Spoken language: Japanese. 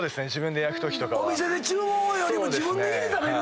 お店で注文よりも自分の家で食べるんだ。